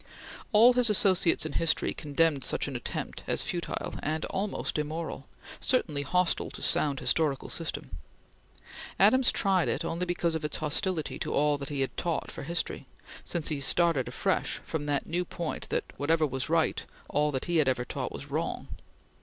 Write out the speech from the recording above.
All his associates in history condemned such an attempt as futile and almost immoral certainly hostile to sound historical system. Adams tried it only because of its hostility to all that he had taught for history, since he started afresh from the new point that, whatever was right, all he had ever taught was wrong.